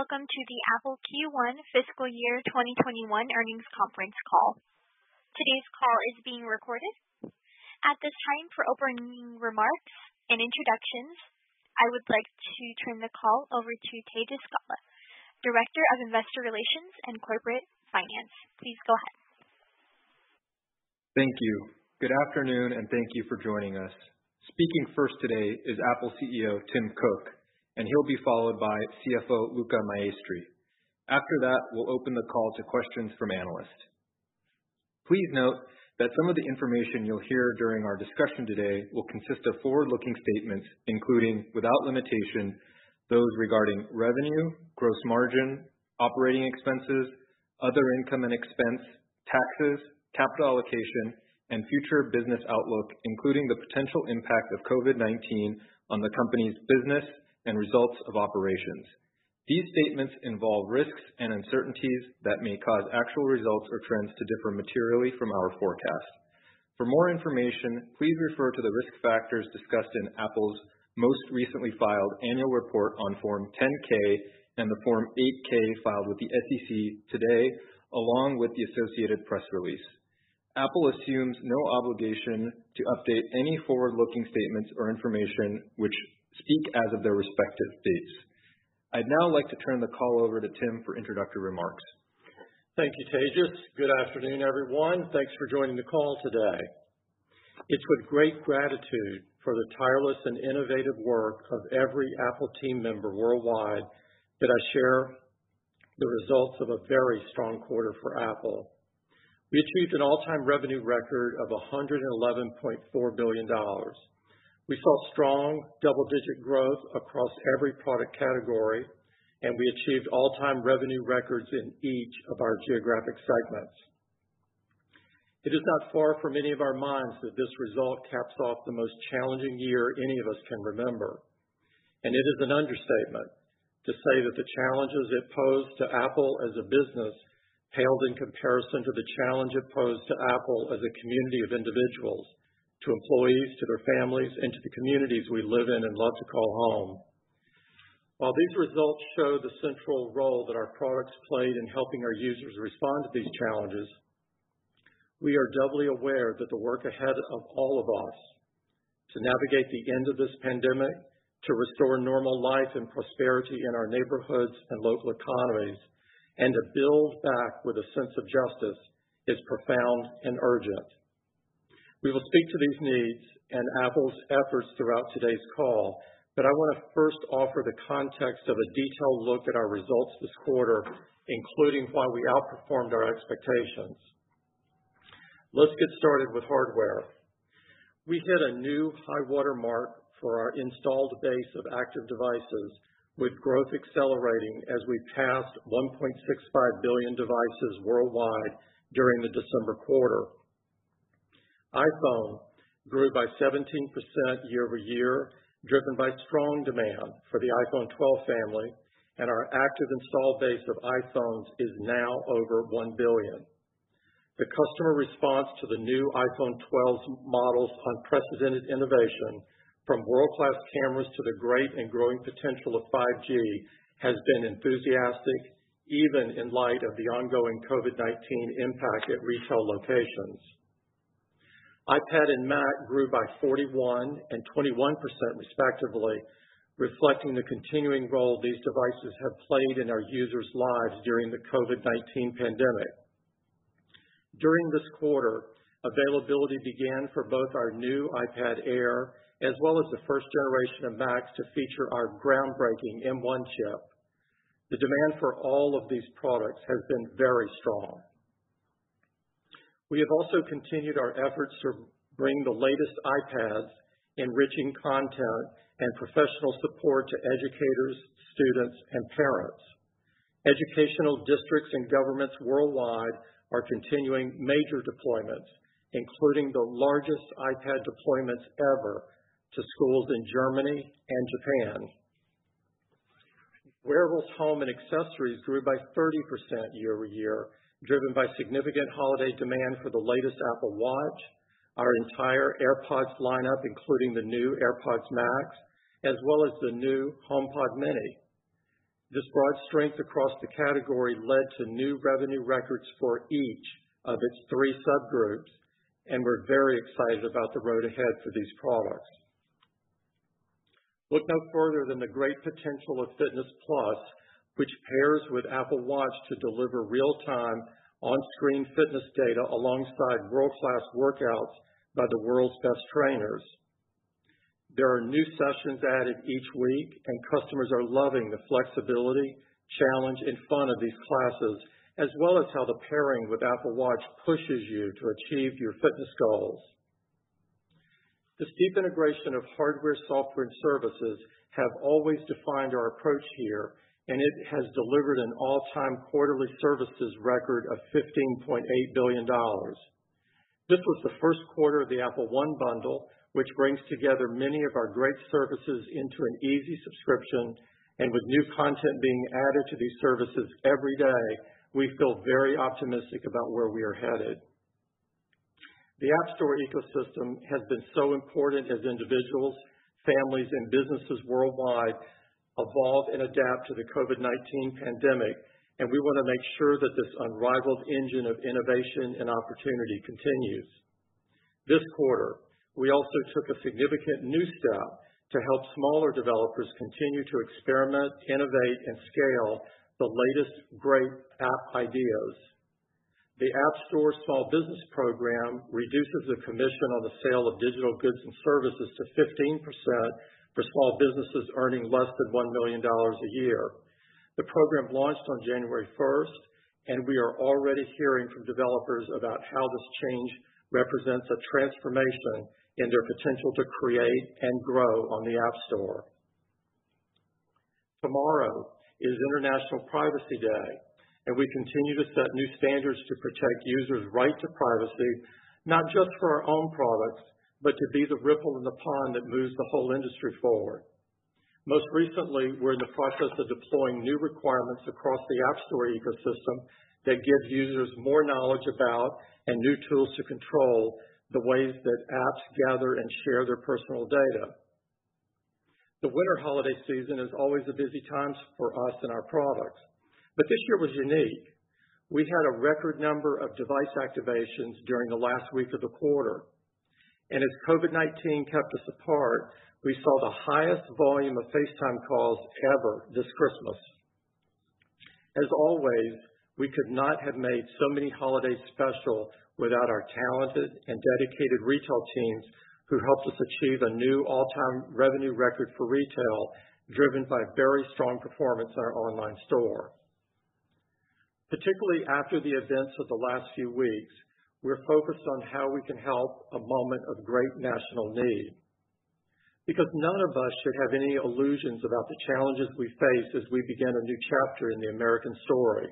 Welcome to the Apple Q1 fiscal year 2021 earnings conference call. Today's call is being recorded. At this time, for opening remarks and introductions, I would like to turn the call over to Tejas Gala, Director of Investor Relations and Corporate Finance, please go ahead. Thank you. Good afternoon, and thank you for joining us. Speaking first today is Apple Chief Executive Officer, Tim Cook, and he'll be followed by Chief Financial Officer, Luca Maestri. After that, we'll open the call to questions from Analysts. Please note that some of the information you'll hear during our discussion today will consist of forward-looking statements, including, without limitation, those regarding revenue, gross margin, operating expenses, other income and expense, taxes, capital allocation, and future business outlook, including the potential impact of COVID-19 on the company's business and results of operations. These statements involve risks and uncertainties that may cause actual results or trends to differ materially from our forecasts. For more information, please refer to the risk factors discussed in Apple's most recently filed annual report on Form 10-K and the Form 8-K filed with the SEC today, along with the associated press release. Apple assumes no obligation to update any forward-looking statements or information which speak as of their respective dates. I'd now like to turn the call over to Tim for introductory remarks. Thank you, Tejas. Good afternoon everyone? Thanks for joining the call today. It's with great gratitude for the tireless and innovative work of every Apple team member worldwide that I share the results of a very strong quarter for Apple. We achieved an all-time revenue record of $111.4 billion. We saw strong double-digit growth across every product category, and we achieved all-time revenue records in each of our geographic segments. It is not far from any of our minds that this result caps off the most challenging year any of us can remember, and it is an understatement to say that the challenges it posed to Apple as a business paled in comparison to the challenge it posed to Apple as a community of individuals, to employees, to their families, and to the communities we live in and love to call home. While these results show the central role that our products played in helping our users respond to these challenges, we are doubly aware that the work ahead of all of us to navigate the end of this pandemic, to restore normal life and prosperity in our neighborhoods and local economies, and to build back with a sense of justice, is profound and urgent. We will speak to these needs and Apple's efforts throughout today's call, but I want to first offer the context of a detailed look at our results this quarter, including why we outperformed our expectations. Let's get started with hardware. We hit a new high water mark for our installed base of active devices, with growth accelerating as we passed 1.65 billion devices worldwide during the December quarter. iPhone grew by 17% year-over-year, driven by strong demand for the iPhone 12 family, and our active installed base of iPhones is now over 1 billion. The customer response to the new iPhone 12 models' unprecedented innovation, from world-class cameras to the great and growing potential of 5G, has been enthusiastic, even in light of the ongoing COVID-19 impact at retail locations. iPad and Mac grew by 41% and 21%, respectively, reflecting the continuing role these devices have played in our users' lives during the COVID-19 pandemic. During this quarter, availability began for both our new iPad Air as well as the first generation of Macs to feature our groundbreaking M1 chip. The demand for all of these products has been very strong. We have also continued our efforts to bring the latest iPads, enriching content, and professional support to educators, students, and parents. Educational districts and governments worldwide are continuing major deployments, including the largest iPad deployments ever to schools in Germany and Japan. Wearables, home, and accessories grew by 30% year-over-year, driven by significant holiday demand for the latest Apple Watch, our entire AirPods lineup, including the new AirPods Max, as well as the new HomePod mini. This broad strength across the category led to new revenue records for each of its three subgroups, and we're very excited about the road ahead for these products. Look no further than the great potential of Fitness+, which pairs with Apple Watch to deliver real-time, on-screen fitness data alongside world-class workouts by the world's best trainers. There are new sessions added each week, and customers are loving the flexibility, challenge, and fun of these classes, as well as how the pairing with Apple Watch pushes you to achieve your fitness goals. The steep integration of hardware, software, and services have always defined our approach here, and it has delivered an all-time quarterly services record of $15.8 billion. This was the first quarter of the Apple One bundle, which brings together many of our great services into an easy subscription, and with new content being added to these services every day, we feel very optimistic about where we are headed. The App Store ecosystem has been so important as individuals, families, and businesses worldwide evolve and adapt to the COVID-19 pandemic, and we want to make sure that this unrivaled engine of innovation and opportunity continues. This quarter, we also took a significant new step to help smaller developers continue to experiment, innovate, and scale the latest great app ideas. The App Store Small Business Program reduces the commission on the sale of digital goods and services to 15% for small businesses earning less than $1 million a year. The program launched on January 1, and we are already hearing from developers about how this change represents a transformation in their potential to create and grow on the App Store. Tomorrow is Data Privacy Day, and we continue to set new standards to protect users' right to privacy, not just for our own products, but to be the ripple in the pond that moves the whole industry forward. Most recently, we're in the process of deploying new requirements across the App Store ecosystem that give users more knowledge about and new tools to control the ways that apps gather and share their personal data. The winter holiday season is always a busy time for us and our products, but this year was unique. We had a record number of device activations during the last week of the quarter. As COVID-19 kept us apart, we saw the highest volume of FaceTime calls ever this Christmas. As always, we could not have made so many holidays special without our talented and dedicated retail teams who helped us achieve a new all-time revenue record for retail, driven by very strong performance in our online store. Particularly after the events of the last few weeks, we're focused on how we can help a moment of great national need. Because none of us should have any illusions about the challenges we face as we begin a new chapter in the American story.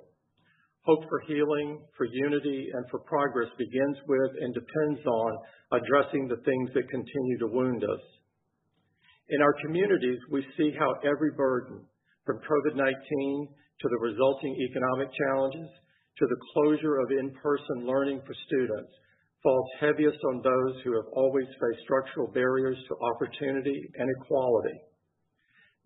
Hope for healing, for unity, and for progress begins with and depends on addressing the things that continue to wound us. In our communities, we see how every burden, from COVID-19 to the resulting economic challenges to the closure of in-person learning for students, falls heaviest on those who have always faced structural barriers to opportunity and equality.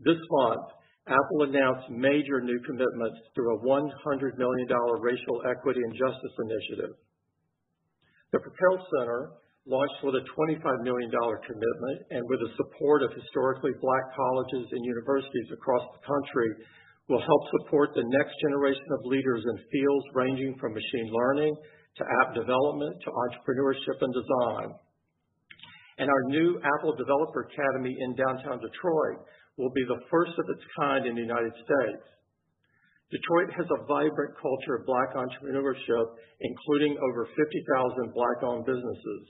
This month, Apple announced major new commitments through a $100 million racial equity and justice initiative. The Propel Center, launched with a $25 million commitment, and with the support of historically Black colleges and universities across the country, will help support the next generation of leaders in fields ranging from machine learning to app development to entrepreneurship and design. Our new Apple Developer Academy in downtown Detroit will be the first of its kind in the United States. Detroit has a vibrant culture of Black entrepreneurship, including over 50,000 Black-owned businesses.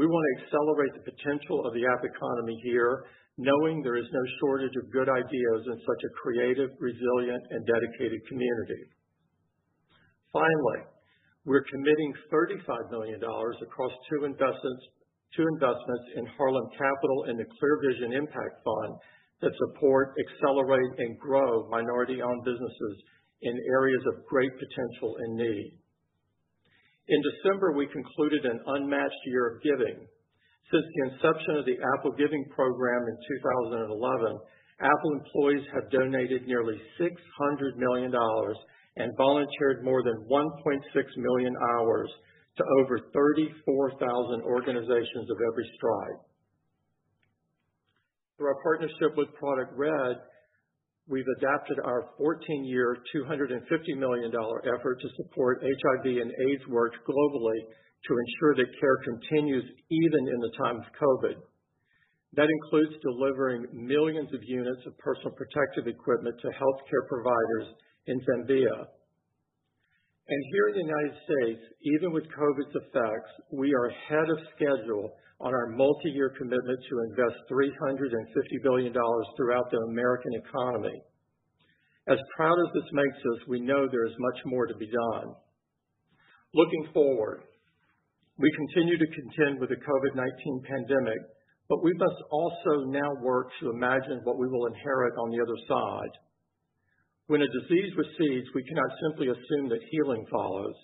We want to accelerate the potential of the app economy here, knowing there is no shortage of good ideas in such a creative, resilient, and dedicated community. Finally, we're committing $35 million across two investments in Harlem Capital and the Clear Vision Impact Fund that support, accelerate, and grow minority-owned businesses in areas of great potential and need. In December, we concluded an unmatched year of giving. Since the inception of the Apple Giving program in 2011, Apple employees have donated nearly $600 million and volunteered more than 1.6 million hours to over 34,000 organizations of every stripe. Through our partnership with (PRODUCT)RED, we've adapted our 14-year, $250 million effort to support HIV and AIDS work globally to ensure that care continues even in the time of COVID. That includes delivering millions of units of personal protective equipment to healthcare providers in Zambia. Here in the United States, even with COVID's effects, we are ahead of schedule on our multi-year commitment to invest $350 billion throughout the American economy. As proud as this makes us, we know there is much more to be done. Looking forward, we continue to contend with the COVID-19 pandemic. We must also now work to imagine what we will inherit on the other side. When a disease recedes, we cannot simply assume that healing follows.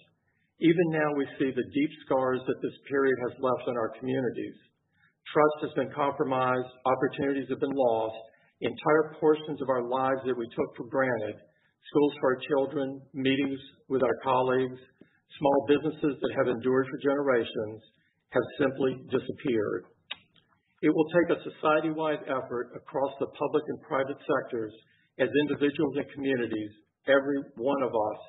Even now, we see the deep scars that this period has left in our communities. Trust has been compromised, opportunities have been lost, entire portions of our lives that we took for granted, schools for our children, meetings with our colleagues, small businesses that have endured for generations, have simply disappeared. It will take a society-wide effort across the public and private sectors as individuals and communities, every one of us,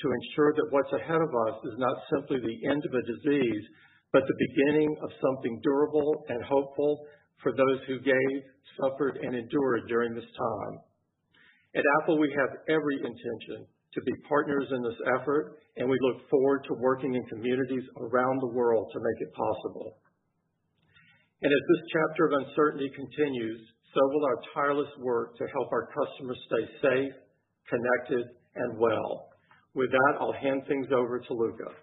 to ensure that what's ahead of us is not simply the end of a disease, but the beginning of something durable and hopeful for those who gave, suffered, and endured during this time. At Apple, we have every intention to be partners in this effort, and we look forward to working in communities around the world to make it possible. As this chapter of uncertainty continues, so will our tireless work to help our customers stay safe, connected, and well. With that, I'll hand things over to Luca.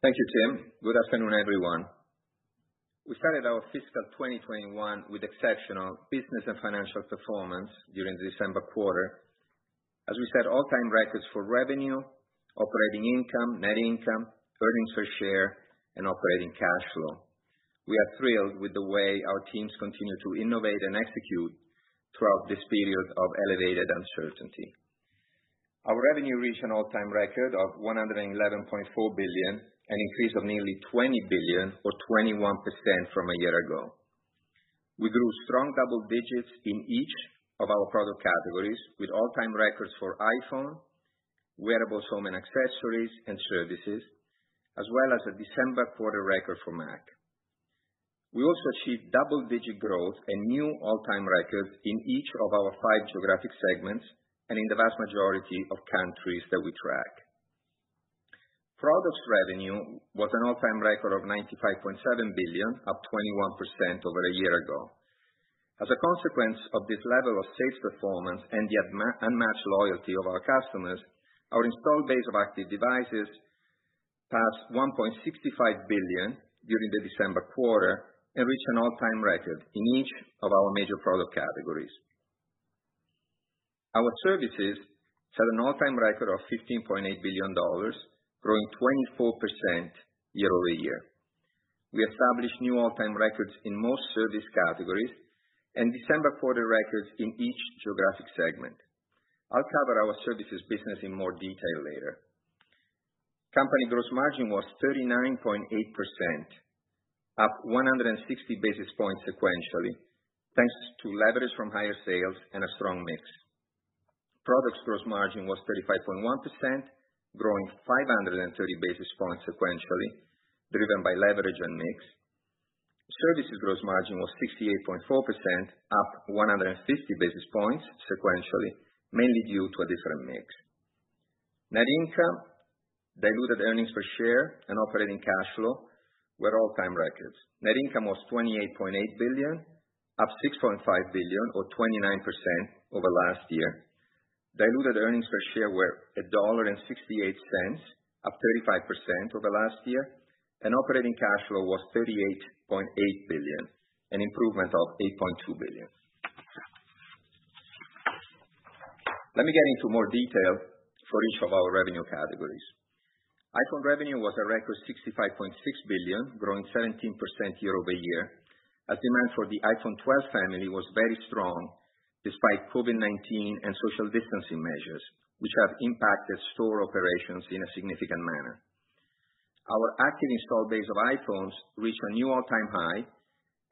Thank you, Tim. Good afternoon everyone? We started our fiscal 2021 with exceptional business and financial performance during the December quarter, as we set all-time records for revenue, operating income, net income, earnings per share, and operating cash flow. We are thrilled with the way our teams continue to innovate and execute throughout this period of elevated uncertainty. Our revenue reached an all-time record of $111.4 billion, an increase of nearly $20 billion or 21% from a year ago. We grew strong double digits in each of our product categories with all-time records for iPhone, wearables, home, and accessories and services, as well as a December quarter record for Mac. We also achieved double-digit growth and new all-time records in each of our five geographic segments and in the vast majority of countries that we track. Products revenue was an all-time record of $95.7 billion, up 21% over a year ago. As a consequence of this level of sales performance and the unmatched loyalty of our customers, our installed base of active devices passed 1.65 billion during the December quarter and reached an all-time record in each of our major product categories. Our services set an all-time record of $15.8 billion, growing 24% year-over-year. We established new all-time records in most service categories and December quarter records in each geographic segment. I'll cover our services business in more detail later. Company gross margin was 39.8%, up 160 basis points sequentially, thanks to leverage from higher sales and a strong mix. Products gross margin was 35.1%, growing 530 basis points sequentially, driven by leverage and mix. Services gross margin was 68.4%, up 150 basis points sequentially, mainly due to a different mix. Net income, diluted earnings per share, and operating cash flow were all-time records. Net income was $28.8 billion, up $6.5 billion or 29% over last year. Diluted earnings per share were $1.68, up 35% over last year. Operating cash flow was $38.8 billion, an improvement of $8.2 billion. Let me get into more detail for each of our revenue categories. iPhone revenue was a record $65.6 billion, growing 17% year-over-year. As demand for the iPhone 12 family was very strong despite COVID-19 and social distancing measures, which have impacted store operations in a significant manner. Our active installed base of iPhones reached a new all-time high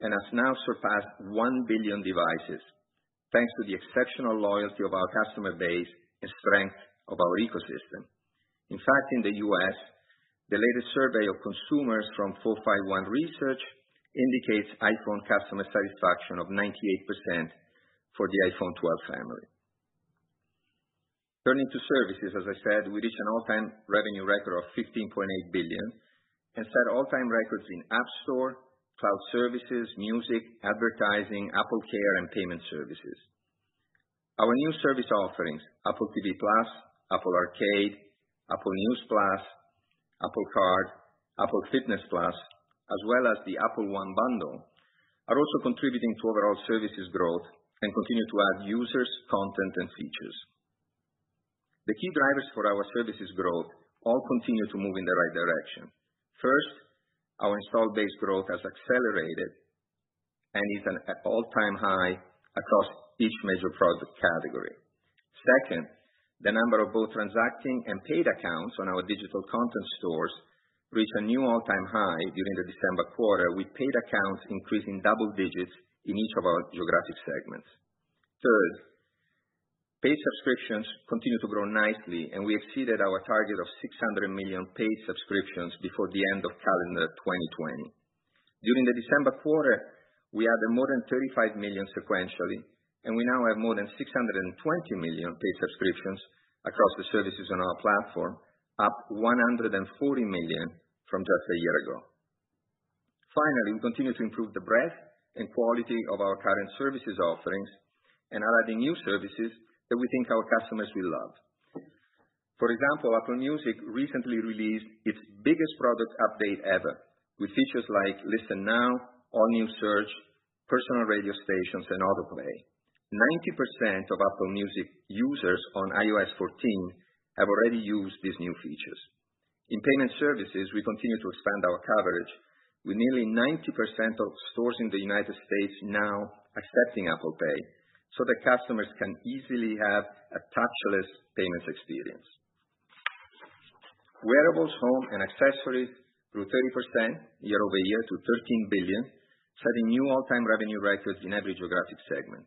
and has now surpassed 1 billion devices, thanks to the exceptional loyalty of our customer base and strength of our ecosystem. In fact, in the U.S., the latest survey of consumers from 451 Research indicates iPhone customer satisfaction of 98% for the iPhone 12 family. Turning to services, as I said, we reached an all-time revenue record of $15.8 billion and set all-time records in App Store, cloud services, music, advertising, AppleCare, and payment services. Our new service offerings, Apple TV+, Apple Arcade, Apple News+, Apple Card, Apple Fitness+, as well as the Apple One bundle, are also contributing to overall services growth and continue to add users, content, and features. The key drivers for our services growth all continue to move in the right direction. First, our installed base growth has accelerated and is at an all-time high across each major product category. Second, the number of both transacting and paid accounts on our digital content stores reached a new all-time high during the December quarter, with paid accounts increasing double digits in each of our geographic segments. Third, paid subscriptions continue to grow nicely, and we exceeded our target of 600 million paid subscriptions before the end of calendar 2020. During the December quarter, we added more than 35 million sequentially, and we now have more than 620 million paid subscriptions across the services on our platform, up 140 million from just a year ago. Finally, we continue to improve the breadth and quality of our current services offerings and are adding new services that we think our customers will love. For example, Apple Music recently released its biggest product update ever with features like Listen Now, All New Search, Personal Radio Stations, and AutoPlay. 90% of Apple Music users on iOS 14 have already used these new features. In payment services, we continue to expand our coverage with nearly 90% of stores in the United States now accepting Apple Pay, so that customers can easily have a touchless payment experience. Wearables, Home, and Accessories grew 30% year-over-year to $13 billion, setting new all-time revenue records in every geographic segment.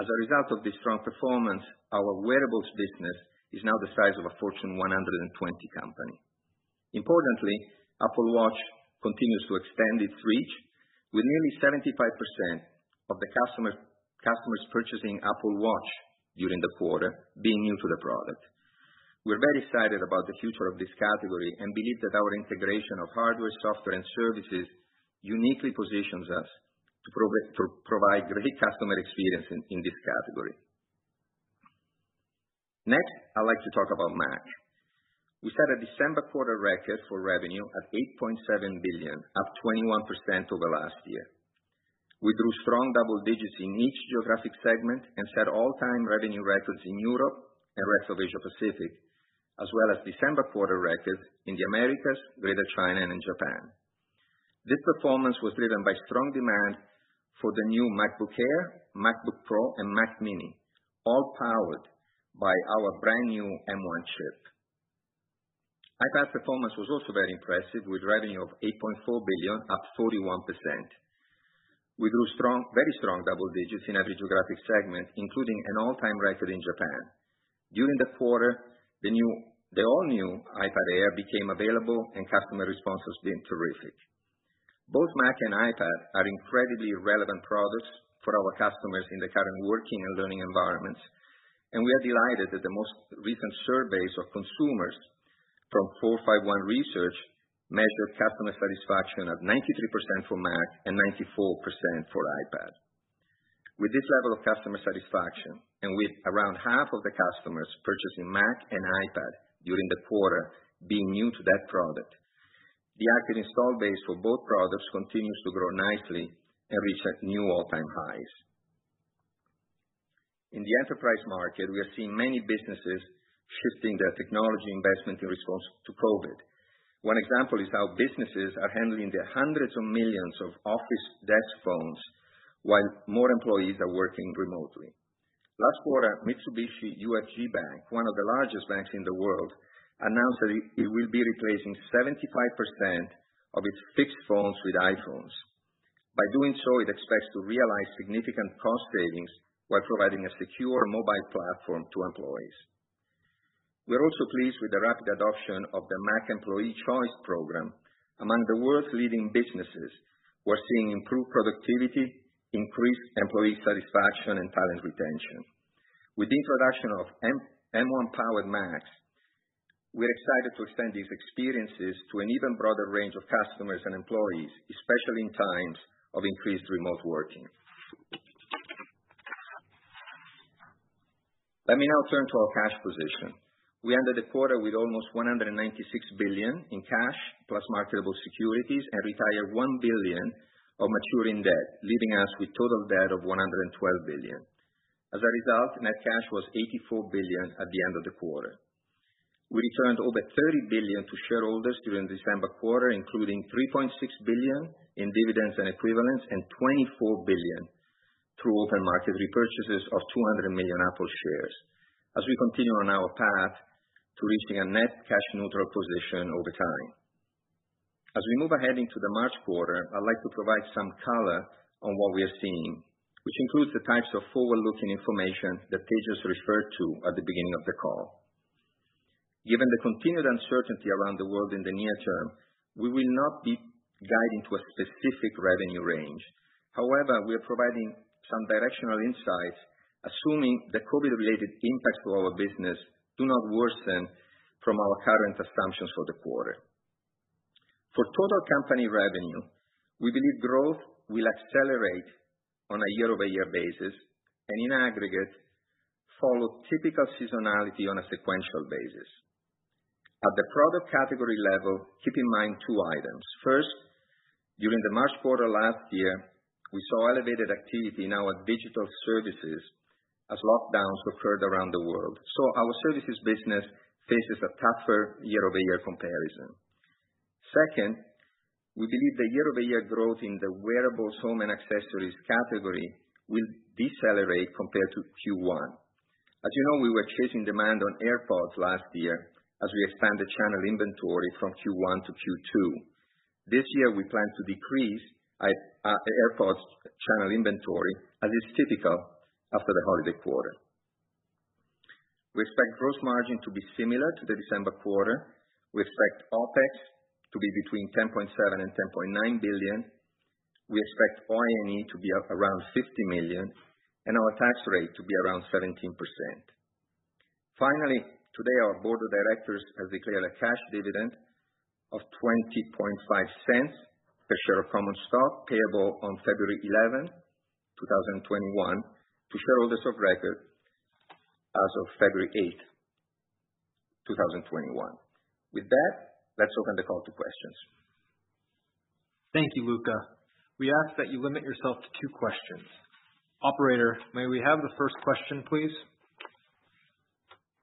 As a result of this strong performance, our wearables business is now the size of a Fortune 120 company. Apple Watch continues to expand its reach with nearly 75% of the customers purchasing Apple Watch during the quarter being new to the product. We're very excited about the future of this category and believe that our integration of hardware, software, and services uniquely positions us to provide great customer experience in this category. I'd like to talk about Mac. We set a December quarter record for revenue of $8.7 billion, up 21% over last year. We grew strong double digits in each geographic segment and set all-time revenue records in Europe and rest of Asia Pacific, as well as December quarter records in the Americas, Greater China, and in Japan. This performance was driven by strong demand for the new MacBook Air, MacBook Pro, and Mac mini, all powered by our brand-new M1 chip. iPad performance was also very impressive, with revenue of $8.4 billion, up 41%. We grew very strong double digits in every geographic segment, including an all-time record in Japan. During the quarter, the all-new iPad Air became available and customer response has been terrific. Both Mac and iPad are incredibly relevant products for our customers in the current working and learning environments, and we are delighted that the most recent surveys of consumers from 451 Research measured customer satisfaction at 93% for Mac and 94% for iPad. With this level of customer satisfaction, and with around half of the customers purchasing Mac and iPad during the quarter being new to that product, the active installed base for both products continues to grow nicely and reach new all-time highs. In the enterprise market, we are seeing many businesses shifting their technology investment in response to COVID. One example is how businesses are handling the hundreds of millions of office desk phones while more employees are working remotely. Last quarter, Mitsubishi UFJ Bank, one of the largest banks in the world, announced that it will be replacing 75% of its fixed phones with iPhones. By doing so, it expects to realize significant cost savings while providing a secure mobile platform to employees. We are also pleased with the rapid adoption of the Mac Employee Choice Program among the world's leading businesses who are seeing improved productivity, increased employee satisfaction, and talent retention. With the introduction of M1-powered Macs, we're excited to extend these experiences to an even broader range of customers and employees, especially in times of increased remote working. Let me now turn to our cash position. We ended the quarter with almost $196 billion in cash plus marketable securities and retired $1 billion of maturing debt, leaving us with total debt of $112 billion. As a result, net cash was $84 billion at the end of the quarter. We returned over $30 billion to shareholders during the December quarter, including $3.6 billion in dividends and equivalents and $24 billion through open market repurchases of 200 million Apple shares, as we continue on our path to reaching a net cash neutral position over time. As we move ahead into the March quarter, I'd like to provide some color on what we are seeing, which includes the types of forward-looking information that Tejas referred to at the beginning of the call. Given the continued uncertainty around the world in the near term, we will not be guiding to a specific revenue range. However, we are providing some directional insights, assuming the COVID-related impacts to our business do not worsen from our current assumptions for the quarter. For total company revenue, we believe growth will accelerate on a year-over-year basis and in aggregate, follow typical seasonality on a sequential basis. At the product category level, keep in mind two items. First, during the March quarter last year, we saw elevated activity in our digital services as lockdowns occurred around the world. Our services business faces a tougher year-over-year comparison. Second, we believe the year-over-year growth in the wearables home and accessories category will decelerate compared to Q1. As you know, we were chasing demand on AirPods last year as we expanded channel inventory from Q1 to Q2. This year, we plan to decrease AirPods channel inventory, as is typical after the holiday quarter. We expect gross margin to be similar to the December quarter. We expect OpEX to be between $10.7 billion and $10.9 billion. We expect OIE to be around $50 million and our tax rate to be around 17%. Finally, today our board of directors has declared a cash dividend of $0.205 per share of common stock payable on February 11, 2021, to shareholders of record as of February 8, 2021. With that, let's open the call to questions. Thank you, Luca. We ask that you limit yourself to two questions. Operator, may we have the first question, please?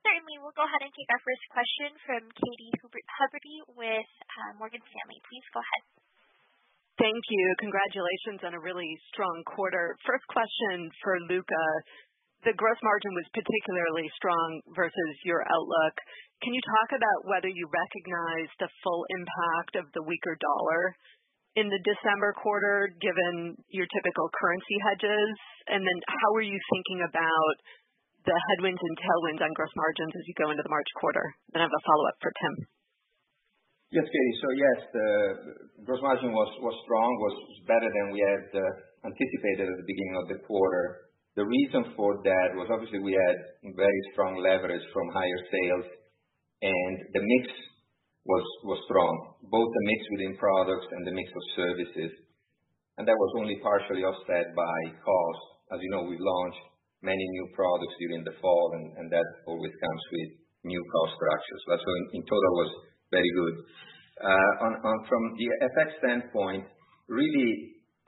Certainly. We'll go ahead and take our first question from Katy Huberty with Morgan Stanley, please go ahead. Thank you. Congratulations on a really strong quarter. First question for Luca. The gross margin was particularly strong versus your outlook. Can you talk about whether you recognized the full impact of the weaker dollar in the December quarter, given your typical currency hedges? How are you thinking about the headwinds and tailwinds on gross margins as you go into the March quarter? I have a follow-up for Tim. Yes, Katy. Yes, the gross margin was strong, was better than we had anticipated at the beginning of the quarter. The reason for that was obviously we had very strong leverage from higher sales, and the mix was strong, both the mix within products and the mix of services. That was only partially offset by cost. As you know, we've launched many new products during the fall, and that always comes with new cost structures. In total, it was very good. From the FX standpoint, really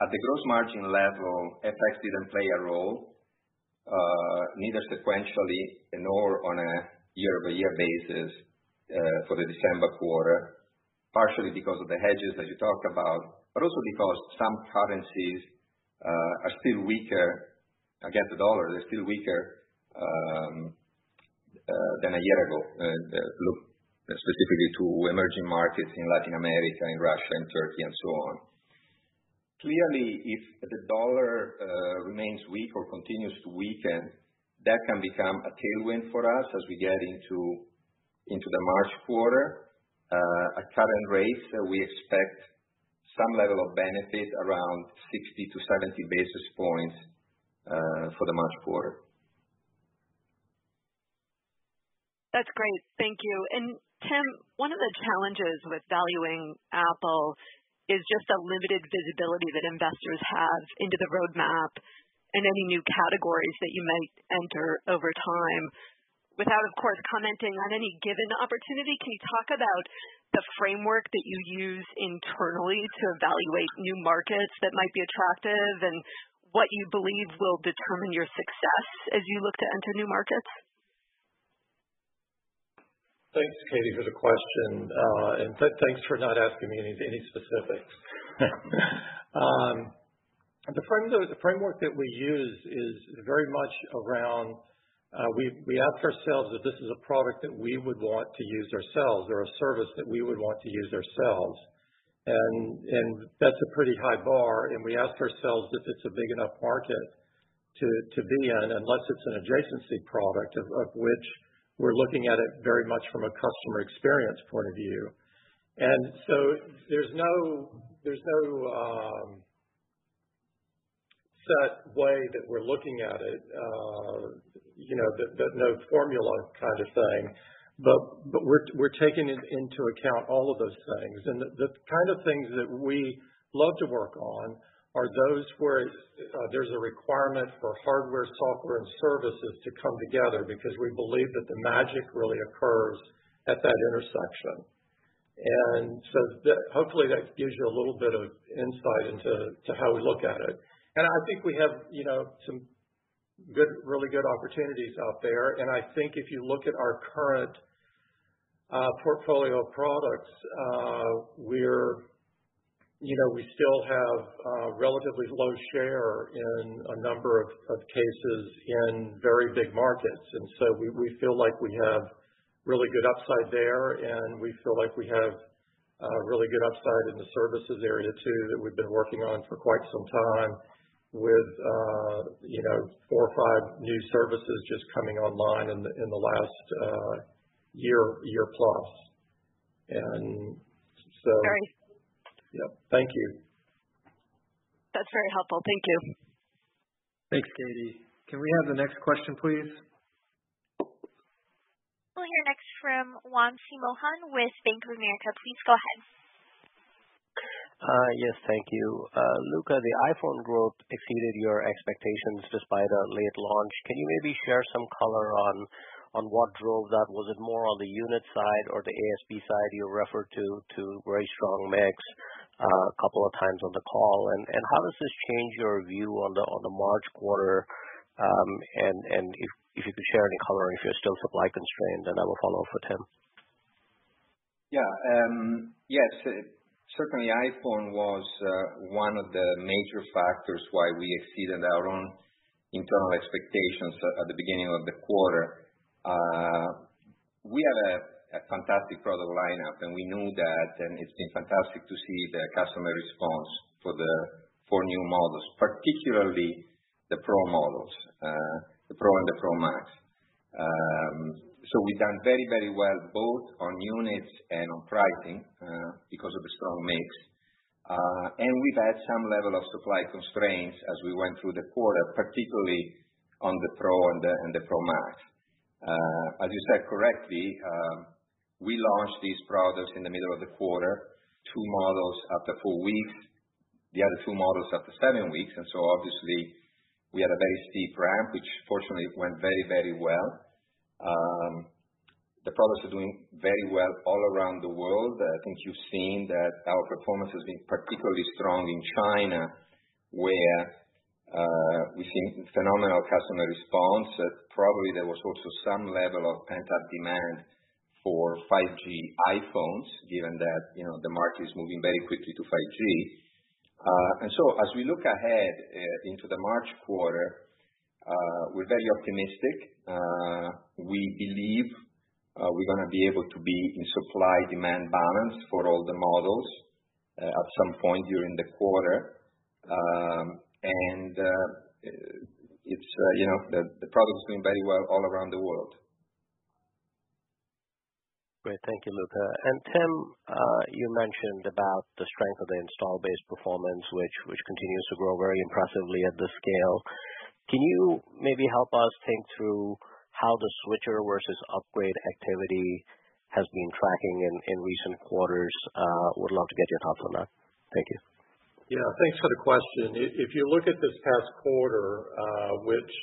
at the gross margin level, FX didn't play a role, neither sequentially nor on a year-over-year basis, for the December quarter, partially because of the hedges that you talked about, but also because some currencies are still weaker against the dollar. They're still weaker than a year ago, look specifically to emerging markets in Latin America, in Russia, and Turkey and so on. Clearly, if the dollar remains weak or continues to weaken, that can become a tailwind for us as we get into the March quarter. At current rates, we expect some level of benefit around 60 basis points to 70 basis points for the March quarter. That's great. Thank you. Tim, one of the challenges with valuing Apple is just the limited visibility that investors have into the roadmap and any new categories that you might enter over time. Without, of course, commenting on any given opportunity, can you talk about the framework that you use internally to evaluate new markets that might be attractive, and what you believe will determine your success as you look to enter new markets? Thanks, Katy, for the question, and thanks for not asking me any specifics. The framework that we use is very much around, we ask ourselves if this is a product that we would want to use ourselves or a service that we would want to use ourselves. That's a pretty high bar, and we ask ourselves if it's a big enough market to be in, unless it's an adjacency product, of which we're looking at it very much from a customer experience point of view. There's no set way that we're looking at it, no formula kind of thing. We're taking into account all of those things. The kind of things that we love to work on are those where there's a requirement for hardware, software, and services to come together because we believe that the magic really occurs at that intersection. Hopefully that gives you a little bit of insight into how we look at it. I think we have some really good opportunities out there, and I think if you look at our current portfolio of products, we still have a relatively low share in a number of cases in very big markets. We feel like we have really good upside there, and we feel like we have a really good upside in the services area, too, that we've been working on for quite some time with four or five new services just coming online in the last year plus. Great. Yeah. Thank you. That's very helpful. Thank you. Thanks, Katy. Can we have the next question, please? We'll hear next from Wamsi Mohan with Bank of America, please go ahead. Yes. Thank you. Luca, the iPhone growth exceeded your expectations despite a late launch. Can you maybe share some color on what drove that? Was it more on the unit side or the ASP side you referred to very strong mix a couple of times on the call? How does this change your view on the March quarter? If you could share any color, if you're still supply constrained, I will follow up with Tim. Yeah. Yes, certainly iPhone was one of the major factors why we exceeded our own internal expectations at the beginning of the quarter. We have a fantastic product lineup, and we knew that, and it's been fantastic to see the customer response for new models, particularly the Pro models, the Pro and the Pro Max. We've done very well both on units and on pricing because of the strong mix. We've had some level of supply constraints as we went through the quarter, particularly on the Pro and the Pro Max. As you said correctly, we launched these products in the middle of the quarter, two models after four weeks, the other two models after seven weeks, obviously we had a very steep ramp, which fortunately went very well. The products are doing very well all around the world. I think you've seen that our performance has been particularly strong in China, where we've seen phenomenal customer response. Probably there was also some level of pent-up demand for 5G iPhones, given that the market is moving very quickly to 5G. As we look ahead into the March quarter, we're very optimistic. We believe we're going to be able to be in supply-demand balance for all the models at some point during the quarter. The product's doing very well all around the world. Great. Thank you, Luca. Tim, you mentioned about the strength of the install base performance, which continues to grow very impressively at this scale. Can you maybe help us think through how the switcher versus upgrade activity has been tracking in recent quarters? Would love to get your thoughts on that. Thank you. Yeah, thanks for the question. If you look at this past quarter, which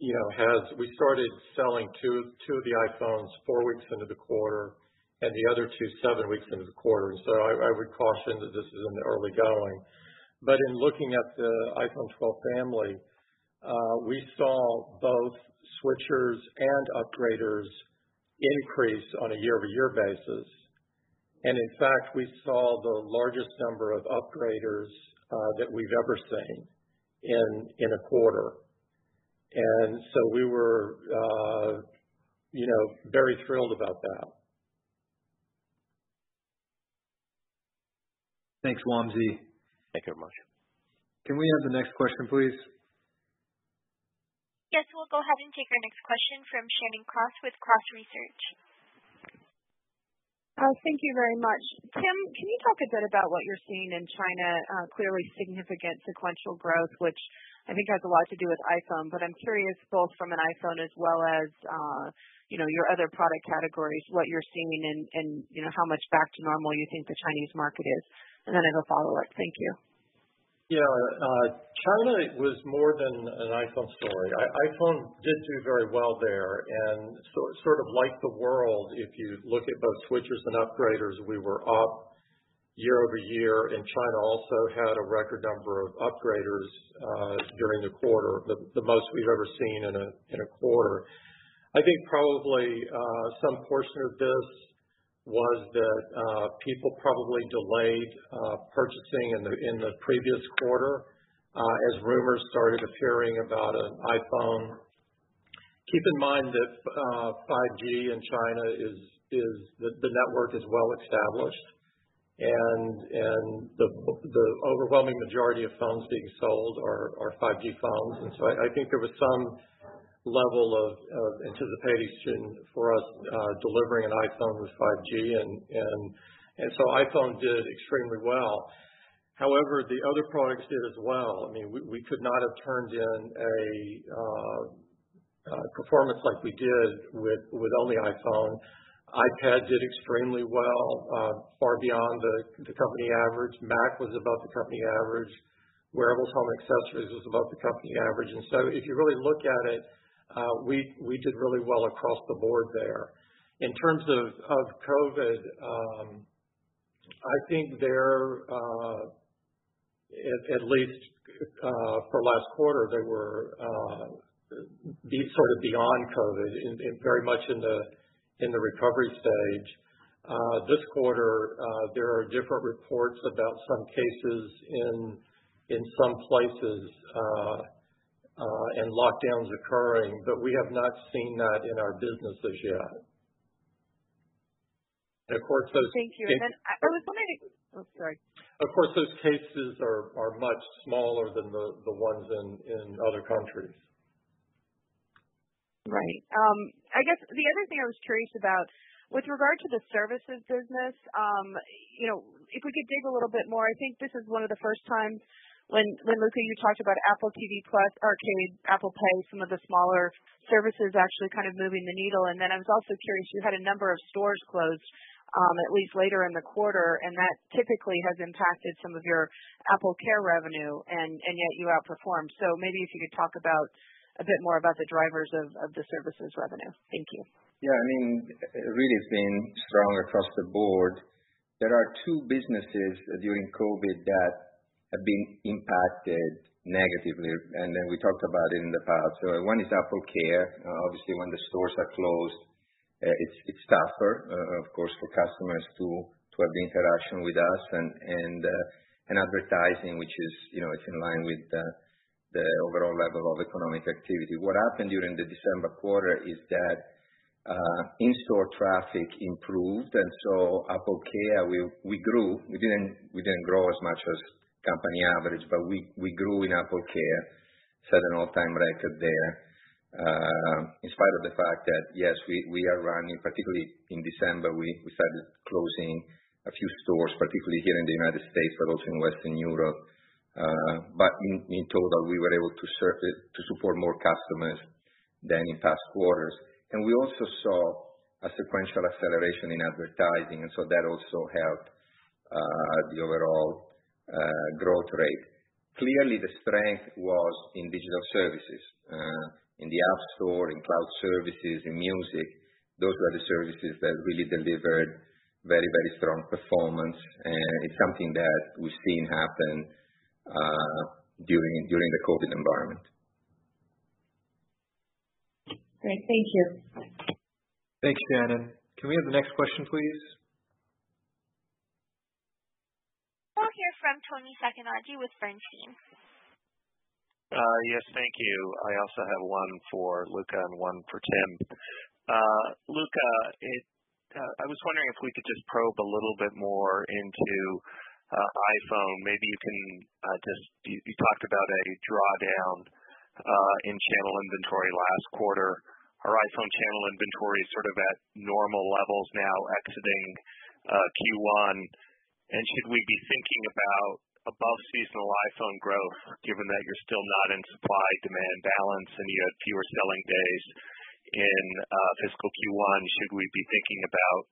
we started selling two of the iPhones, four weeks into the quarter, and the other two seven weeks into the quarter. I would caution that this is in the early going. In looking at the iPhone 12 family, we saw both switchers and upgraders increase on a year-over-year basis. In fact, we saw the largest number of upgraders that we've ever seen in a quarter. We were very thrilled about that. Thanks, Wamsi. Can we have the next question, please? Yes. We'll go ahead and take our next question from Shannon Cross with Cross Research. Thank you very much. Tim, can you talk a bit about what you're seeing in China? Clearly significant sequential growth, which I think has a lot to do with iPhone, but I'm curious, both from an iPhone as well as your other product categories, what you're seeing and how much back to normal you think the Chinese market is. I have a follow-up. Thank you. Yeah. China was more than an iPhone story. iPhone did do very well there and sort of like the world, if you look at both switchers and upgraders, we were up year-over-year, and China also had a record number of upgraders during the quarter, the most we've ever seen in a quarter. I think probably some portion of this was that people probably delayed purchasing in the previous quarter as rumors started appearing about an iPhone. Keep in mind that 5G in China, the network is well established and the overwhelming majority of phones being sold are 5G phones. I think there was some level of anticipation for us delivering an iPhone with 5G, and so iPhone did extremely well. However, the other products did as well. We could not have turned in a performance like we did with only iPhone. iPad did extremely well, far beyond the company average. Mac was above the company average. Wearables, home, and accessories was above the company average. If you really look at it, we did really well across the board there. In terms of COVID, I think there, at least for last quarter, they were sort of beyond COVID, very much in the recovery stage. This quarter, there are different reports about some cases in some places, and lockdowns occurring. We have not seen that in our businesses yet. Of course, those- Thank you. Sorry. Of course, those cases are much smaller than the ones in other countries. Right. I guess the other thing I was curious about, with regard to the services business, if we could dig a little bit more, I think this is one of the first times when, Luca, you talked about Apple TV+, Arcade, Apple Pay, some of the smaller services actually kind of moving the needle. I was also curious, you had a number of stores closed, at least later in the quarter, and that typically has impacted some of your AppleCare revenue, and yet you outperformed. Maybe if you could talk a bit more about the drivers of the services revenue. Thank you. Yeah, it really has been strong across the board. There are two businesses during COVID-19 that have been impacted negatively, we talked about it in the past. One is AppleCare. Obviously, when the stores are closed, it's tougher, of course, for customers to have the interaction with us, and advertising, which is in line with the overall level of economic activity. What happened during the December quarter is that in-store traffic improved, AppleCare, we grew. We didn't grow as much as company average, but we grew in AppleCare, set an all-time record there, in spite of the fact that, yes, we are running, particularly in December, we started closing a few stores, particularly here in the U.S., but also in Western Europe. In total, we were able to support more customers than in past quarters. We also saw a sequential acceleration in advertising, and so that also helped the overall growth rate. Clearly, the strength was in digital services, in the App Store, in cloud services, in Music. Those were the services that really delivered very strong performance, and it's something that we've seen happen during the COVID environment. Great. Thank you. Thanks, Shannon. Can we have the next question, please? We'll hear from Toni Sacconaghi with Bernstein. Yes. Thank you. I also have one for Luca and one for Tim. Luca, I was wondering if we could just probe a little bit more into iPhone. You talked about a drawdown in channel inventory last quarter. Are iPhone channel inventory sort of at normal levels now exiting Q1? And should we be thinking about above seasonal iPhone growth, given that you're still not in supply-demand balance and you had fewer selling days in fiscal Q1? Should we be thinking about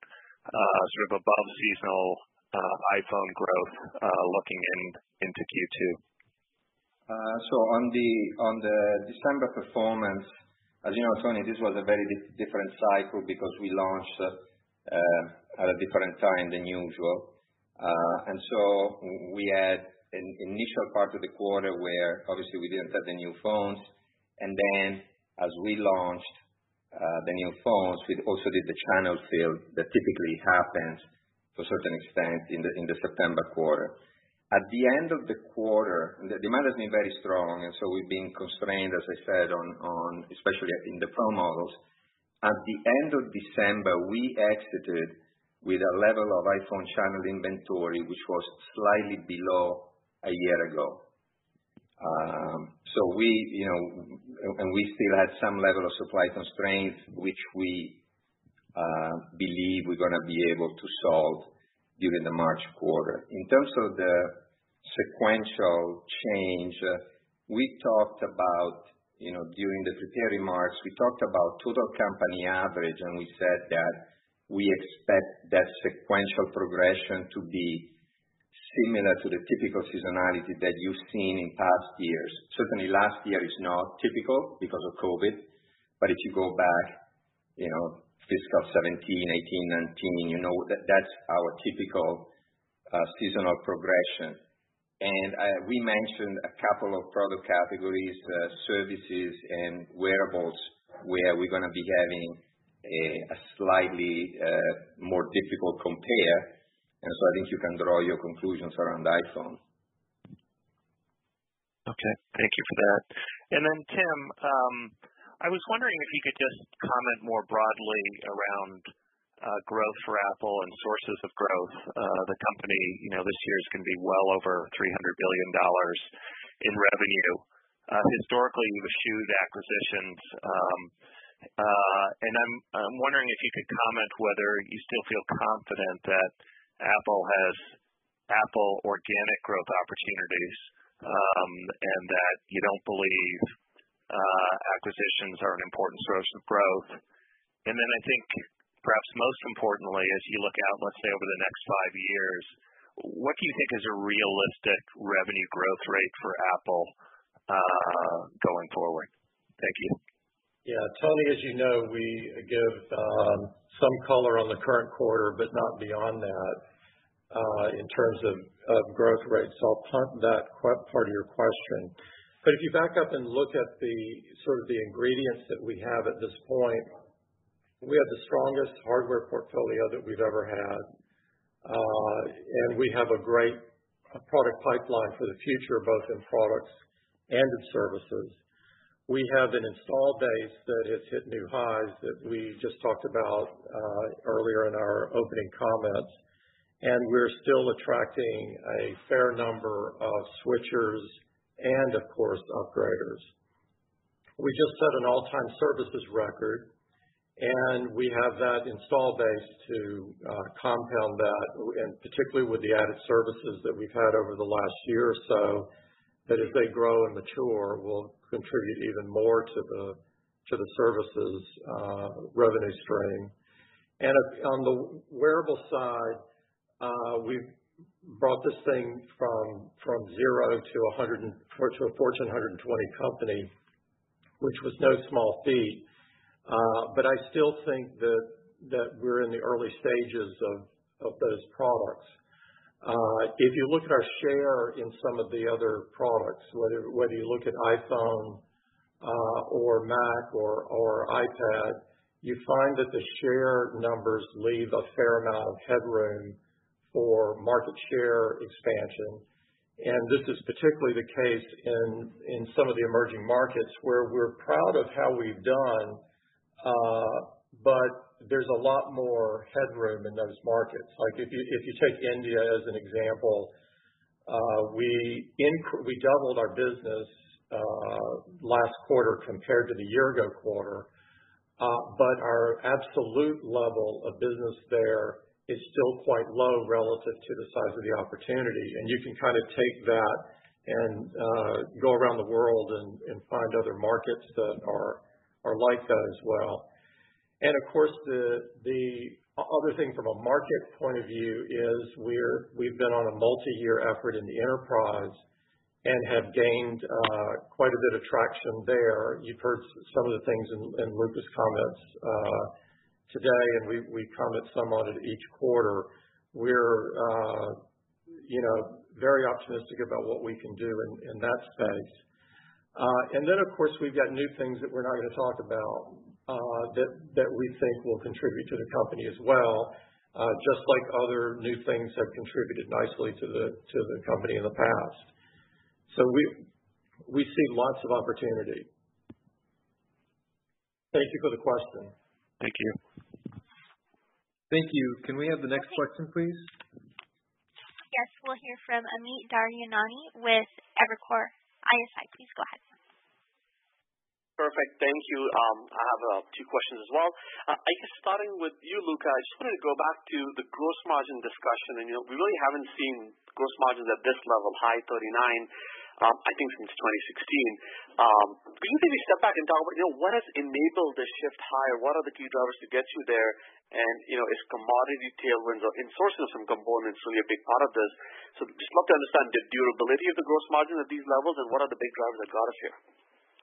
above seasonal iPhone growth looking into Q2? On the December performance, as you know, Toni, this was a very different cycle because we launched at a different time than usual. We had an initial part of the quarter where obviously we didn't have the new phones. As we launched the new phones, we also did the channel fill that typically happens to a certain extent in the September quarter. At the end of the quarter, the demand has been very strong, we've been constrained, as I said, especially in the Pro models. At the end of December, we exited with a level of iPhone channel inventory which was slightly below a year ago. We still had some level of supply constraints, which we believe we're going to be able to solve during the March quarter. In terms of the sequential change, during the prepared remarks, we talked about total company average, and we said that we expect that sequential progression to be similar to the typical seasonality that you've seen in past years. Certainly last year is not typical because of COVID-19, but if you go back fiscal 2017, 2018, 2019, you know that's our typical seasonal progression. We mentioned a couple of product categories, services and wearables, where we're going to be having a slightly more difficult compare. I think you can draw your conclusions around the iPhone. Okay. Thank you for that. Tim, I was wondering if you could just comment more broadly around growth for Apple and sources of growth. The company, this year, is going to be well over $300 billion in revenue. Historically, you eschewed acquisitions. I'm wondering if you could comment whether you still feel confident that Apple has Apple organic growth opportunities, and that you don't believe acquisitions are an important source of growth. I think perhaps most importantly, as you look out, let's say over the next five years, what do you think is a realistic revenue growth rate for Apple going forward? Thank you. Yeah. Toni, as you know, we give some color on the current quarter, but not beyond that, in terms of growth rates. I'll punt that part of your question. If you back up and look at the sort of the ingredients that we have at this point, we have the strongest hardware portfolio that we've ever had. We have a great product pipeline for the future, both in products and in services. We have an install base that has hit new highs that we just talked about earlier in our opening comments, and we're still attracting a fair number of switchers and, of course, upgraders. We just set an all-time Services record. We have that install base to compound that, and particularly with the added Services that we've had over the last year or so, that as they grow and mature, will contribute even more to the Services revenue stream. On the wearable side, we brought this thing from zero to a Fortune 120 company, which was no small feat. I still think that we're in the early stages of those products. If you look at our share in some of the other products, whether you look at iPhone or Mac or iPad, you find that the share numbers leave a fair amount of headroom for market share expansion. This is particularly the case in some of the emerging markets where we're proud of how we've done, but there's a lot more headroom in those markets. If you take India as an example, we doubled our business last quarter compared to the year ago quarter. Our absolute level of business there is still quite low relative to the size of the opportunity. You can take that and go around the world and find other markets that are like that as well. Of course, the other thing from a market point of view is we've been on a multi-year effort in the enterprise and have gained quite a bit of traction there. You've heard some of the things in Luca's comments today, and we comment somewhat at each quarter. We're very optimistic about what we can do in that space. Of course, we've got new things that we're not going to talk about, that we think will contribute to the company as well, just like other new things have contributed nicely to the company in the past. We see lots of opportunity. Thank you for the question. Thank you. Thank you. Can we have the next question, please? Yes. We'll hear from Amit Daryanani with Evercore ISI. Please go ahead. Perfect. Thank you. I have two questions as well. I guess starting with you, Luca, I just wanted to go back to the gross margin discussion, and we really haven't seen gross margins at this level, high 39, I think since 2016. Can you maybe step back and talk about what has enabled the shift higher? What are the key drivers to get you there? Is commodity tailwinds or insourcing some components really a big part of this? Just love to understand the durability of the gross margin at these levels and what are the big drivers that got us here.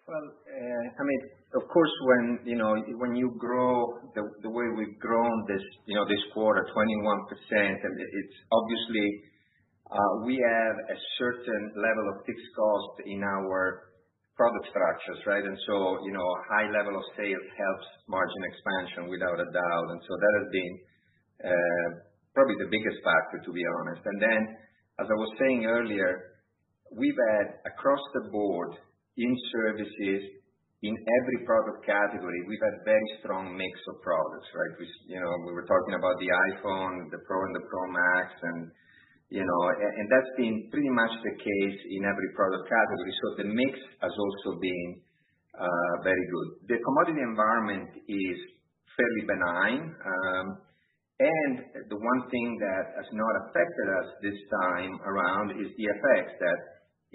Amit, of course, when you grow the way we've grown this quarter, 21%, obviously we have a certain level of fixed cost in our product structures, right? A high level of sales helps margin expansion without a doubt. That has been probably the biggest factor, to be honest. As I was saying earlier, we've had across the board, in services, in every product category, we've had very strong mix of products, right? We were talking about the iPhone, the Pro and the Pro Max, and that's been pretty much the case in every product category. The mix has also been very good. The commodity environment is fairly benign. The one thing that has not affected us this time around is the FX, that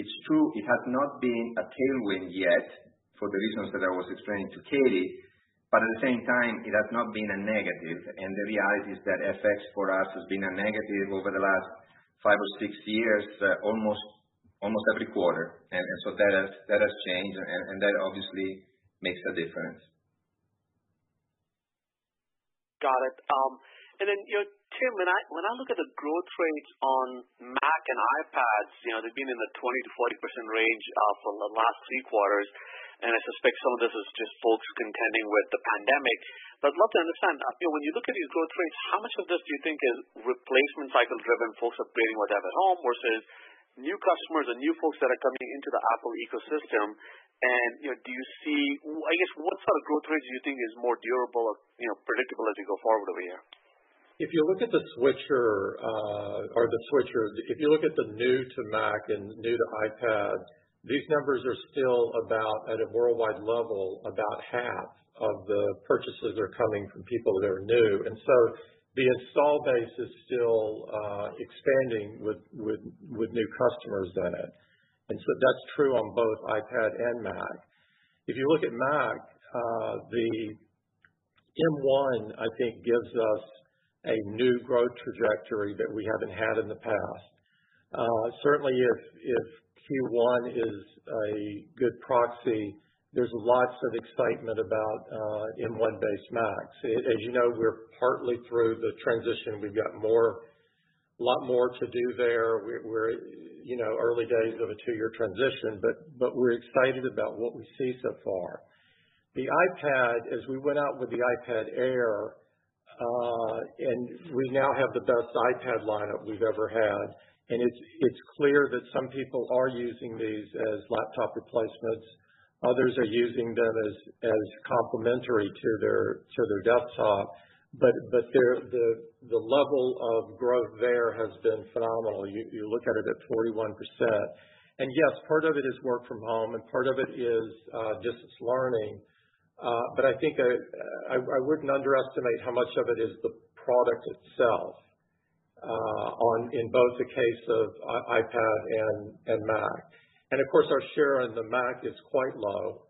it's true, it has not been a tailwind yet for the reasons that I was explaining to Katy, but at the same time, it has not been a negative. The reality is that FX for us has been a negative over the last five or six years, almost every quarter. That has changed and that obviously makes a difference. Got it. Then, Tim, when I look at the growth rates on Mac and iPad, they've been in the 20%-40% range for the last three quarters, and I suspect some of this is just folks contending with the pandemic, but love to understand, when you look at these growth rates, how much of this do you think is replacement cycle driven, folks upgrading what they have at home versus new customers and new folks that are coming into the Apple ecosystem? Do you see, I guess, what sort of growth rate do you think is more durable or predictable as you go forward over here? If you look at the switcher, if you look at the new to Mac and new to iPad, these numbers are still about at a worldwide level, about half of the purchases are coming from people that are new. The install base is still expanding with new customers in it. That's true on both iPad and Mac. If you look at Mac, the M1, I think, gives us a new growth trajectory that we haven't had in the past. Certainly if Q1 is a good proxy, there's lots of excitement about M1-based Macs. As you know, we're partly through the transition. We've got a lot more to do there. We're early days of a two-year transition, we're excited about what we see so far. The iPad, as we went out with the iPad Air, and we now have the best iPad lineup we've ever had, and it's clear that some people are using these as laptop replacements. Others are using them as complementary to their desktop. The level of growth there has been phenomenal. You look at it at 41%, and yes, part of it is work from home and part of it is distance learning. I think I wouldn't underestimate how much of it is the product itself, in both the case of iPad and Mac. Of course, our share on the Mac is quite low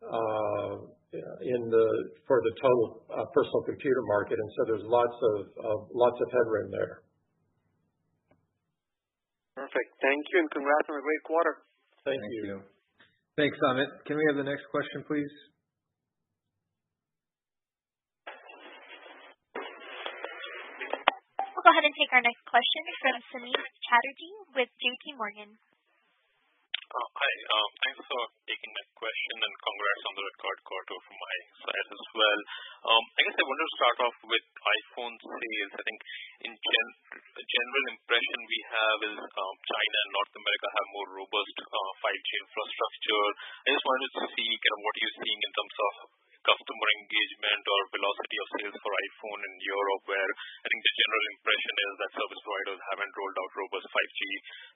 for the total personal computer market, and so there's lots of headroom there. Perfect. Thank you, and congrats on a great quarter. Thank you. Thank you. Thanks, Amit. Can we have the next question, please? We'll go ahead and take our next question from Samik Chatterjee with JPMorgan. Hi, thanks for taking my question and congrats on the record quarter from my side as well. I guess I wanted to start off with iPhone sales. I think in general, the impression we have is China and North America have more robust 5G infrastructure. I just wanted to see kind of what you're seeing in terms of customer engagement or velocity of sales for iPhone in Europe, where I think the general impression is that service providers haven't rolled out robust 5G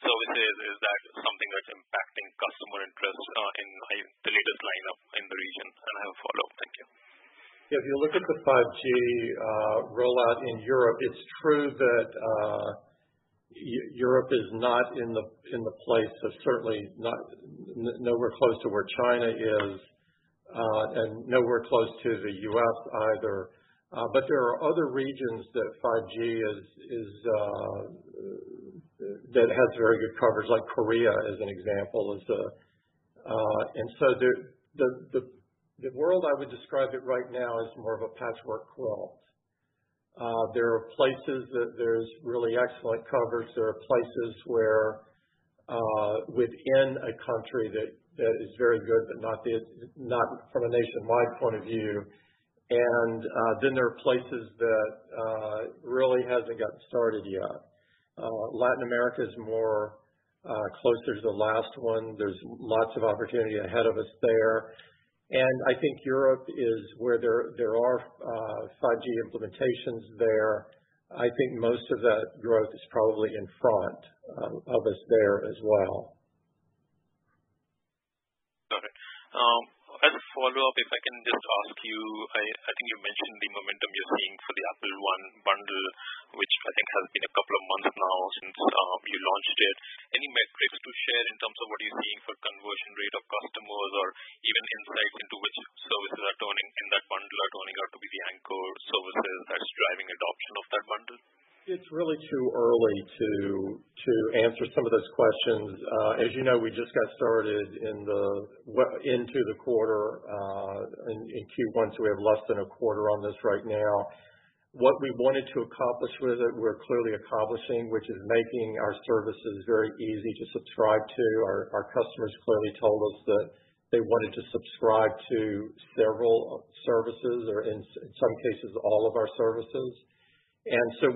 services. Is that something that's impacting customer interest in the latest lineup in the region? I have a follow-up. Thank you. If you look at the 5G rollout in Europe, it's true that Europe is not in the place of certainly nowhere close to where China is, and nowhere close to the U.S. either. There are other regions that 5G has very good coverage, like Korea as an example. The world, I would describe it right now, as more of a patchwork quilt. There are places that there's really excellent coverage. There are places where, within a country that is very good, but not from a nationwide point of view. There are places that really hasn't gotten started yet. Latin America is more closer to the last one. There's lots of opportunity ahead of us there. I think Europe is where there are 5G implementations there. I think most of that growth is probably in front of us there as well. If I can just ask you, I think you mentioned the momentum you're seeing for the Apple One bundle, which I think has been a couple of months now since you launched it. Any metrics to share in terms of what you're seeing for conversion rate of customers or even insight into which services in that bundle are turning out to be the anchor services that's driving adoption of that bundle? It's really too early to answer some of those questions. As you know, we just got started into the quarter, in Q1. We have less than a quarter on this right now. What we wanted to accomplish with it, we're clearly accomplishing, which is making our services very easy to subscribe to. Our customers clearly told us that they wanted to subscribe to several services or in some cases, all of our services.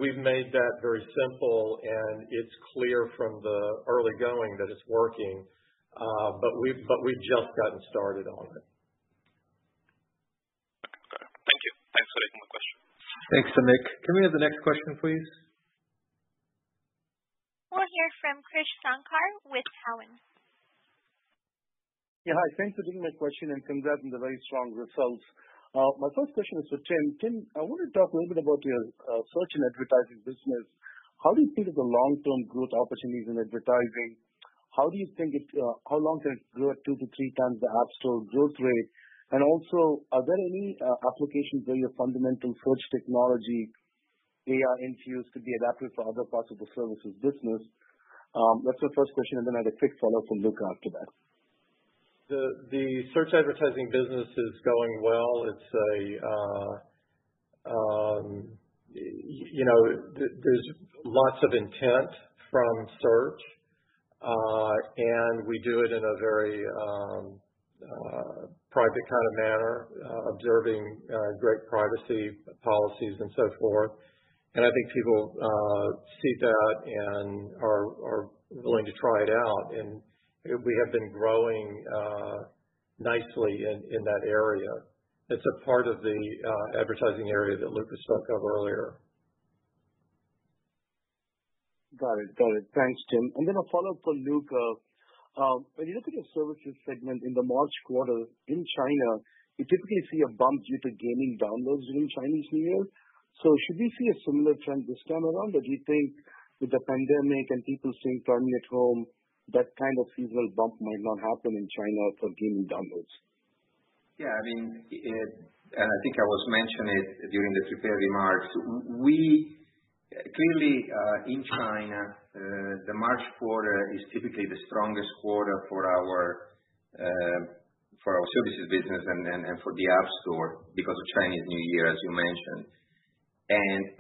We've made that very simple, and it's clear from the early going that it's working. We've just gotten started on it. Okay. Thank you. Thanks for taking the question. Thanks, Samik. Can we have the next question, please? We'll hear from Krish Sankar with Cowen. Yeah. Hi. Thanks for taking my question, and congrats on the very strong results. My first question is for Tim. Tim, I want to talk a little bit about your search and advertising business. How do you think of the long-term growth opportunities in advertising? How long can it grow at two to three times the App Store growth rate? Also, are there any applications where your fundamental search technology AI infused could be adapted for other possible services business? That's the first question, and then I had a quick follow-up for Luca after that. The search advertising business is going well. There's lots of intent from search, and we do it in a very private kind of manner, observing great privacy policies and so forth. I think people see that and are willing to try it out, and we have been growing nicely in that area. It's a part of the advertising area that Luca spoke of earlier. Got it. Thanks, Tim. A follow-up for Luca. When you look at your services segment in the March quarter in China, you typically see a bump due to gaming downloads during Chinese New Year. Should we see a similar trend this time around? Do you think with the pandemic and people staying primarily at home, that kind of seasonal bump might not happen in China for gaming downloads? Yeah, I think I was mentioning it during the prepared remarks. Clearly, in China, the March quarter is typically the strongest quarter for our services business and for the App Store because of Chinese New Year, as you mentioned.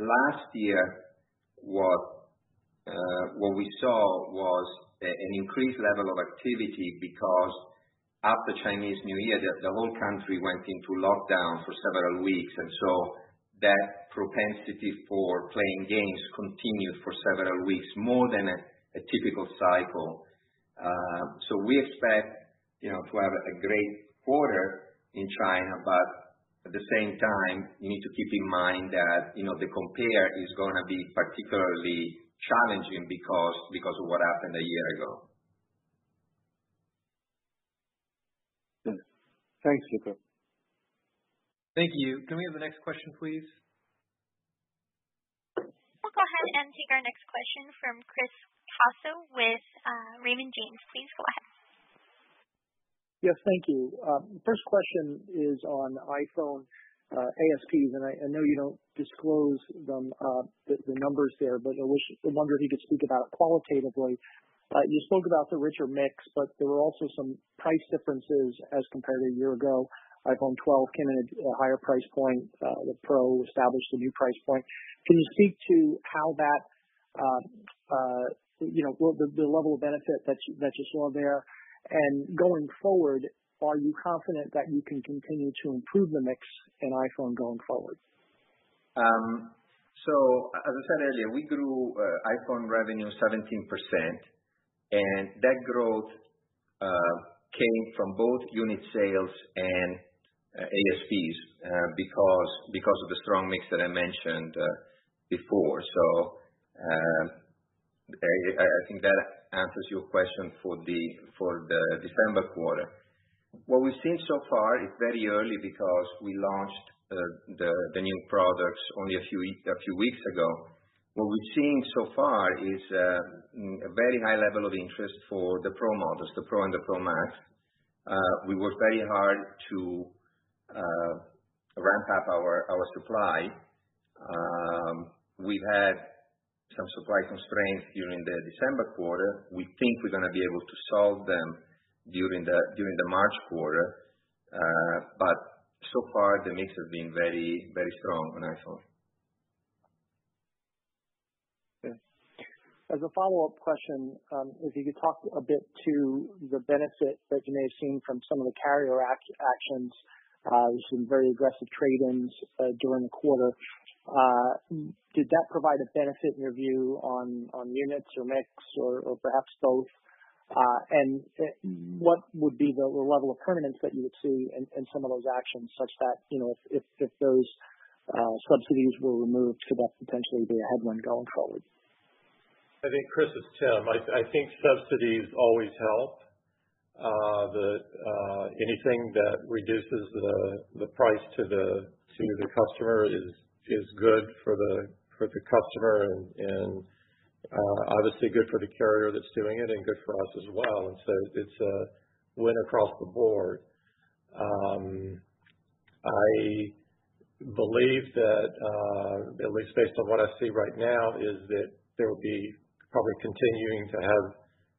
Last year, what we saw was an increased level of activity because after Chinese New Year, the whole country went into lockdown for several weeks. That propensity for playing games continued for several weeks, more than a typical cycle. We expect to have a great quarter in China. At the same time, you need to keep in mind that the compare is going to be particularly challenging because of what happened a year ago. Thanks, Luca. Thank you. Can we have the next question, please? We'll go ahead and take our next question from Chris Caso with Raymond James, please go ahead. Yes, thank you. First question is on iPhone ASPs. I know you don't disclose the numbers there, but I was wondering if you could speak about it qualitatively. You spoke about the richer mix. There were also some price differences as compared to a year ago. iPhone 12 came at a higher price point. The Pro established a new price point. Can you speak to the level of benefit that you saw there? Going forward, are you confident that you can continue to improve the mix in iPhone going forward? As I said earlier, we grew iPhone revenue 17%, and that growth came from both unit sales and ASPs because of the strong mix that I mentioned before. I think that answers your question for the December quarter. What we've seen so far is very early because we launched the new products only a few weeks ago. What we've seen so far is a very high level of interest for the Pro models, the Pro and the Pro Max. We worked very hard to ramp up our supply. We had some supply constraints during the December quarter. We think we're going to be able to solve them during the March quarter. So far, the mix has been very strong on iPhone. Okay. As a follow-up question, if you could talk a bit to the benefit that you may have seen from some of the carrier actions. There's been very aggressive trade-ins during the quarter. Did that provide a benefit in your view on units or mix or perhaps both? What would be the level of permanence that you would see in some of those actions such that if those subsidies were removed, could that potentially be a headwind going forward? I think Chris, it's Tim. I think subsidies always help. Anything that reduces the price to the customer is good for the customer, and obviously good for the carrier that's doing it, and good for us as well. It's a win across the board. I believe that, at least based on what I see right now, is that there will be probably continuing to have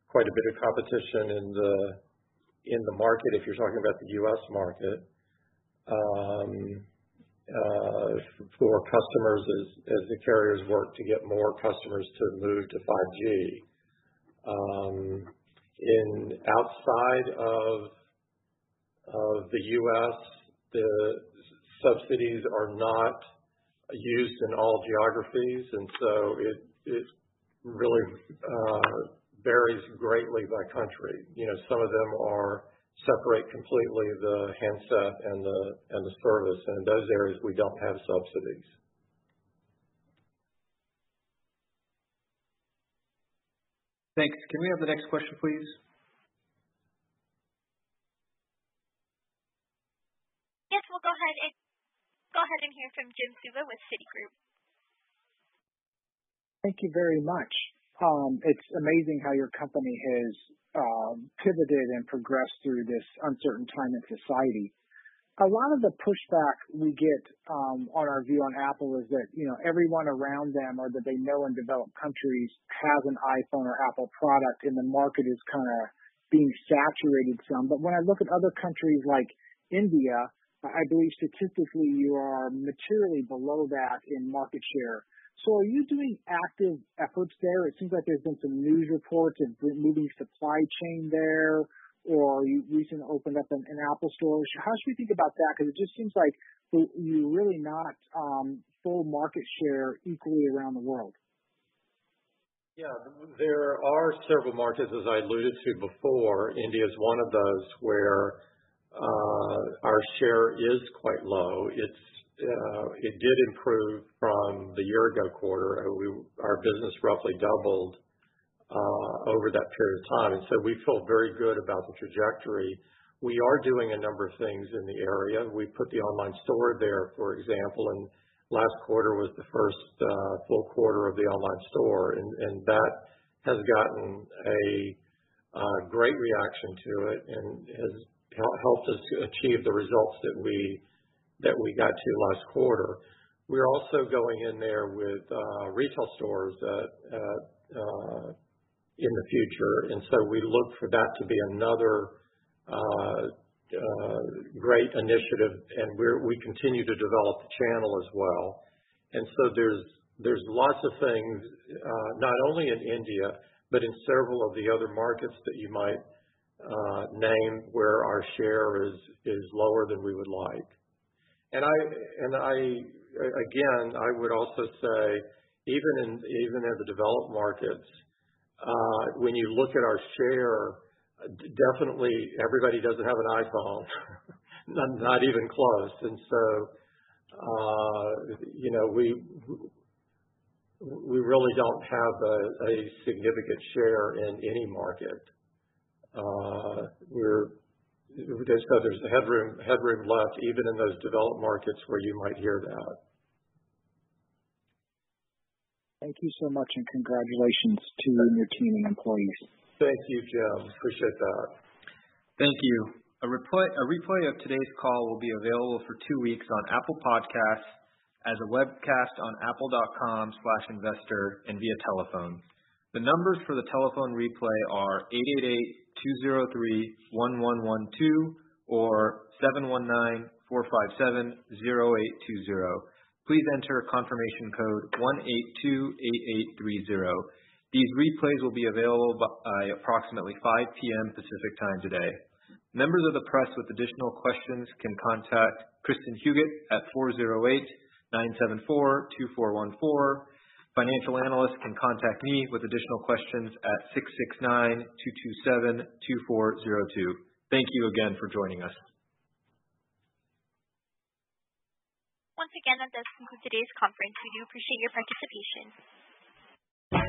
quite a bit of competition in the market, if you're talking about the U.S. market, for customers as the carriers work to get more customers to move to 5G. Outside of the U.S., the subsidies are not used in all geographies, and so it really varies greatly by country. Some of them separate completely the handset and the service, and in those areas, we don't have subsidies. Thanks. Can we have the next question, please? Yes, we'll go ahead and hear from Jim Suva with Citigroup. Thank you very much. It's amazing how your company has pivoted and progressed through this uncertain time in society. A lot of the pushback we get on our view on Apple is that everyone around them or that they know in developed countries has an iPhone or Apple product, and the market is kind of being saturated some. When I look at other countries like India, I believe statistically you are materially below that in market share. Are you doing active efforts there? It seems like there's been some news reports and moving supply chain there, or you recently opened up an Apple Store. How should we think about that? It just seems like you really not fill market share equally around the world. There are several markets, as I alluded to before. India is one of those where our share is quite low. It did improve from the year-ago quarter. Our business roughly doubled over that period of time. We feel very good about the trajectory. We are doing a number of things in the area. We put the Online Store there, for example, and last quarter was the first full quarter of the Online Store, and that has gotten a great reaction to it and has helped us to achieve the results that we got to last quarter. We're also going in there with retail stores in the future. We look for that to be another great initiative, and we continue to develop the channel as well. There's lots of things, not only in India, but in several of the other markets that you might name where our share is lower than we would like. Again, I would also say, even in the developed markets, when you look at our share, definitely everybody doesn't have an iPhone not even close. We really don't have a significant share in any market. There's headroom left even in those developed markets where you might hear that. Thank you so much, and congratulations to you and your team and employees. Thank you, Jim. Appreciate that. Thank you. A replay of today's call will be available for two weeks on Apple Podcasts, as a webcast on apple.com/investor and via telephone. The numbers for the telephone replay are 888-203-1112 or 719-457-0820. Please enter confirmation code 1828830. These replays will be available by approximately 5:00 P.M. Pacific Time today. Members of the press with additional questions can contact Kristin Huguet at 408-974-2414. Financial analysts can contact me with additional questions at 669-227-2402. Thank you again for joining us. Once again, that does conclude today's conference. We do appreciate your participation.